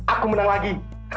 aku menang lagi